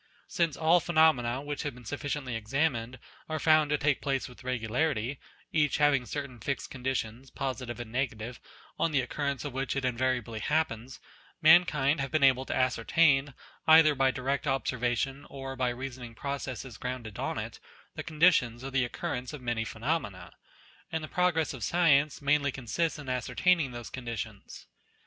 Since all phenomena which have been sufficiently examined are found to take place with regularity, each having certain fixed conditions, B 2 6 NATURE positive and negative, on the occurrence of which it invariably happens ; mankind have been able to ascer tain, either by direct observation or by reasoning pro cesses grounded on it, the conditions of the occurrence of many phenomena ; and the progress of science mainly consists in ascertaining those conditions.